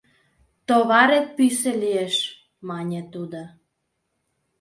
— Товарет пӱсӧ лиеш, — мане тудо.